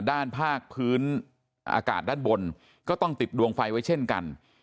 ด้านภาคพื้นอากาศด้านบนก็ต้องติดดวงไฟไว้เช่นกัน